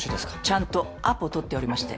ちゃんとアポ取っておりまして。